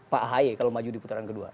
pak ahy kalau maju di putaran kedua